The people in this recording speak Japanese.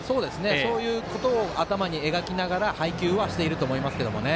そういうことを頭に描きながら配球はしていると思いますけどね。